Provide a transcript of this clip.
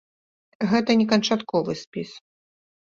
Гэта не канчатковы спіс.